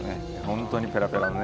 本当にペラペラのね。